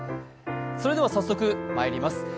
それでは早速まいります。